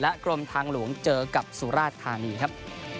กรมทางหลวงเจอกับสุราชธานีครับ